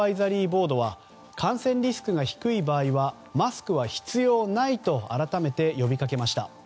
ボードは感染リスクが低い場合はマスクは必要ないと改めて呼びかけました。